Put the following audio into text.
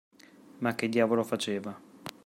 “Ma che diavolo faceva.